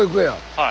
はい。